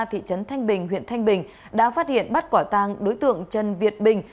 thị trấn thanh bình huyện thanh bình đã phát hiện bắt quả tàng đối tượng trần việt bình